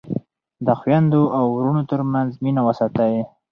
د خویندو او وروڼو ترمنځ مینه وساتئ.